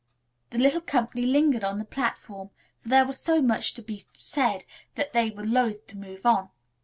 The little company lingered on the platform, for there was so much to be said that they were loath to move on.